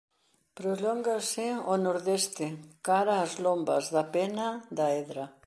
Prolóngase ao nordeste cara as Lombas da Pena da Edra.